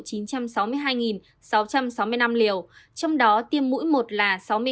trong đó tiêm mũi một là sáu